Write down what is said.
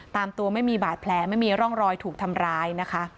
ตามตัวไม่มีบาดแผลไม่มีร่องรอยถูกทำร้ายนะคะ